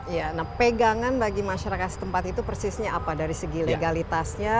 iya nah pegangan bagi masyarakat setempat itu persisnya apa dari segi legalitasnya